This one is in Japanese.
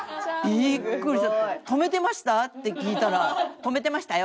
すごい！「とめてました？」って聞いたら「とめてましたよ